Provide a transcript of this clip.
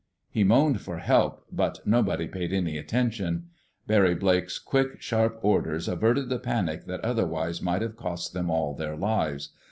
He moaned for help, but nobody paid any attention. Barry Blake's quick, sharp orders averted the panic that otherwise might have cost them all their lives.